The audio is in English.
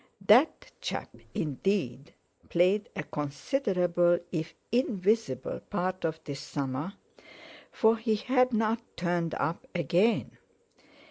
That chap, indeed, played a considerable, if invisible, part this summer—for he had not turned up again.